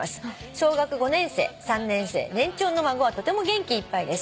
「小学５年生３年生年長の孫はとても元気いっぱいです」